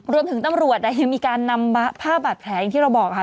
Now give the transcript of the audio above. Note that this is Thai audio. ตำรวจยังมีการนำภาพบาดแผลอย่างที่เราบอกค่ะ